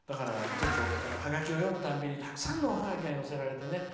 ハガキを読むたびに、たくさんのハガキが寄せられてね。